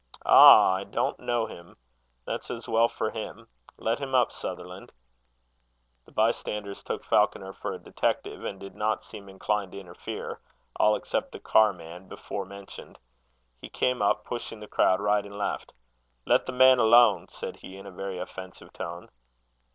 "Ah! I don't know him. That's as well for him. Let him up, Sutherland." The bystanders took Falconer for a detective, and did not seem inclined to interfere, all except the carman before mentioned. He came up, pushing the crowd right and left. "Let the man alone," said he, in a very offensive tone.